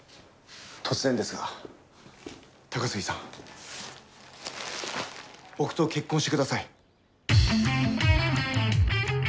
突然ですが高杉さん僕と結婚してください。